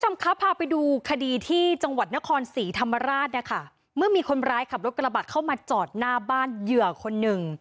คุณผู้ชมครับพาไปดูคดีที่จังหวัดนครศรีธรรมราชนะคะเมื่อมีคนร้ายขับรถกระบะเข้ามาจอดหน้าบ้านเหยื่อคนหนึ่ง